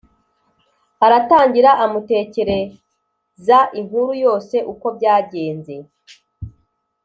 Aratangira amutekereza inkuru yose uko byagenze